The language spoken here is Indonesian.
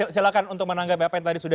silahkan untuk menanggapi apa yang tadi sudah